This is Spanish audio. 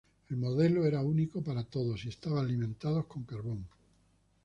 El modelo era único para todos y estaban alimentados con carbón.